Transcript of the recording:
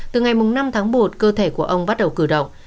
từ ngày năm tháng một cơ thể của ông bắt đầu cử động